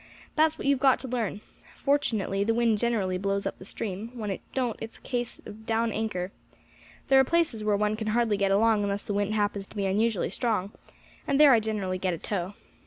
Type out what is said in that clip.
That's what you have got to learn. Fortunately the wind generally blows up the stream; when it don't it's a case of down anchor. There are places where one can hardly get along unless the wind happens to be unusually strong, and there I generally get a tow.